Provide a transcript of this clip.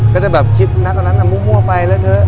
ก็จะแบบคิดนะตอนนั้นมั่วไปแล้วเถอะ